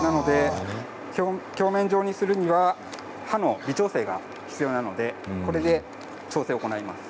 鏡面状にするには刃の微調整が必要なのでこれで調整を行います。